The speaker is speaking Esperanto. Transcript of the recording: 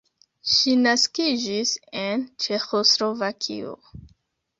Ŝi naskiĝis en Ĉeĥoslovakio.